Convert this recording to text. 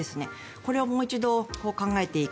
これをもう一度考えていく。